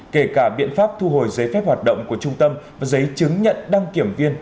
kể cả biện pháp thu hồi giấy phép hoạt động của trung tâm và giấy chứng nhận đăng kiểm viên